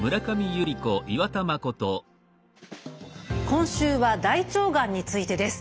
今週は大腸がんについてです。